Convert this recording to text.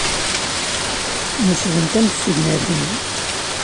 Mesdent am tsegnatin.